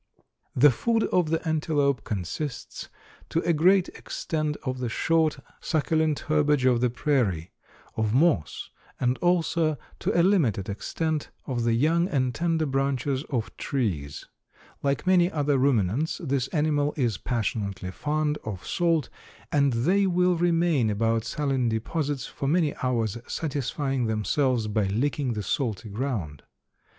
The food of the antelope consists to a great extent of the short, succulent herbage of the prairie, of moss, and also, to a limited extent, of the young and tender branches of trees. Like many other ruminants, this animal is passionately fond of salt and they will remain about saline deposits for many hours, satisfying themselves by licking the salty ground.